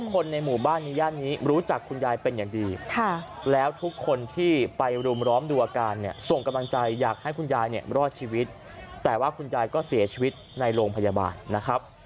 ขอจักรกำลังใจอยากให้คุณยายรอดชีวิตแต่ว่าคุณยายก็เสียชีวิตในโรงพยาบาลนะครับ